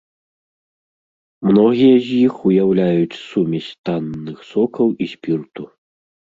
Многія з іх уяўляюць сумесь танных сокаў і спірту.